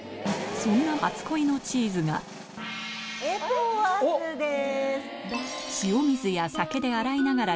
そんな初恋のチーズが中でもえぇ！